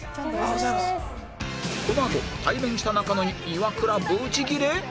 このあと対面した中野にイワクラブチギレ？